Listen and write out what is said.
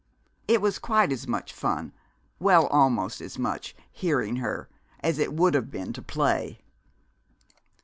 It was quite as much fun well, almost as much hearing her, as it would have been to play.